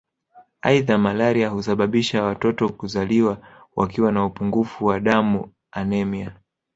Aidha malaria husababisha watoto kuzaliwa wakiwa na upungufu wa damu anemia